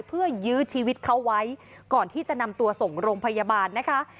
เพื่อยื้อชีวิตเขาไว้ก่อนที่จะนำตัวส่งโรงพยาบาลนะคะ